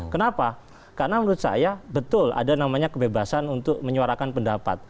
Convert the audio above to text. kenapa karena menurut saya betul ada namanya kebebasan untuk menyuarakan pendapat